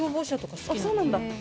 そうなんだ。